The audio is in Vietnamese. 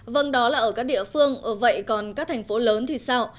vâng đó là ở các địa phương ở vậy còn các thành phố lớn thì sao